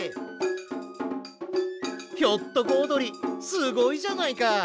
ひょっとこおどりすごいじゃないか！